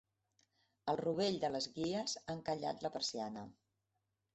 El rovell de les guies ha encallat la persiana.